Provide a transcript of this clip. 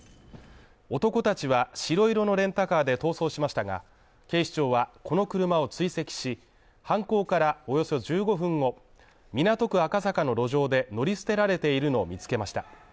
男達は白色のレンタカーで逃走しましたが、警視庁は、この車を追跡し、犯行からおよそ１５分後港区赤坂の路上で乗り捨てられているのを見つけました。